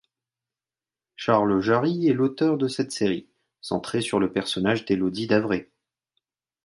Charles Jarry est l'auteur de cette série, centrée sur le personnage d'Élodie d'Avray.